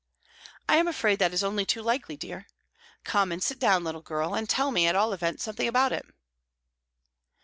"I am afraid that is only too likely, dear. Come and sit down, little girl, and tell me, at all events, something about it."